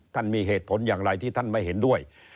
มีเหตุผลอย่างไรที่ท่านไม่เห็นด้วย